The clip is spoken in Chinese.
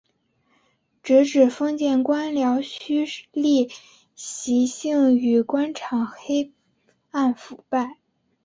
直指封建官僚胥吏习性与官场黑暗腐败。